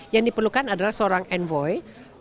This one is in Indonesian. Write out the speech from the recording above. yang diperlukan adalah seorang envoy